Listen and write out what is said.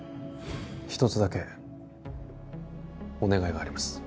一つだけお願いがあります